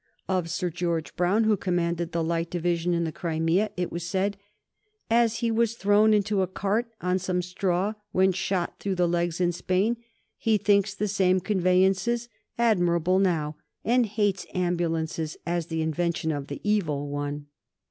Of Sir George Brown, who commanded the Light Division in the Crimea, it was said: "As he was thrown into a cart on some straw when shot through the legs in Spain, he thinks the same conveyances admirable now, and hates ambulances as the invention of the Evil One."